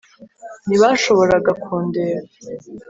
ntibashoboraga kundeba